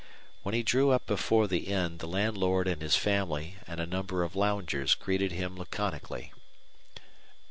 When he drew up before the inn the landlord and his family and a number of loungers greeted him laconically.